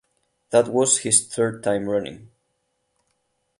That was his third time running.